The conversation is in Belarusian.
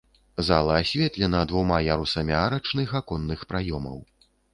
Зала асветлена двума ярусамі арачных аконных праёмаў.